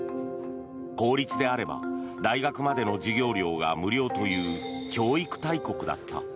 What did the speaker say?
公立であれば大学までの授業料が無料という教育大国だった。